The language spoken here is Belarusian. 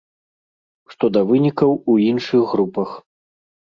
Што да вынікаў у іншых групах.